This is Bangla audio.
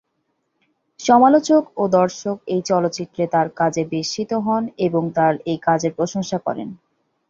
সমালোচক ও দর্শক এই চলচ্চিত্রে তার কাজে বিস্মিত হন এবং তার এই কাজের প্রশংসা করেন।